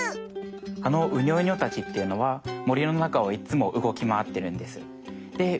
あのウニョウニョたちっていうのは森の中をいっつも動きまわってるんです。